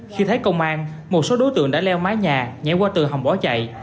khi thấy công an một số đối tượng đã leo mái nhà nhảy qua tường hầm bỏ chạy